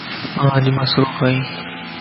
آن اڄ مصروف ائين